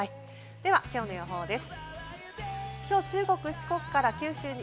では、きょうの予報です。